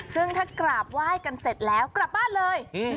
ซึ่งถ้ากราบไหว้กันเสร็จแล้วกลับบ้านเลย